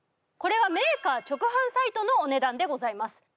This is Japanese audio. これはメーカー直販サイトのお値段でございます。